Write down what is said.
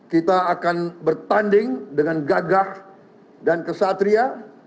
kita akan bertanding dengan gagah dan kesatria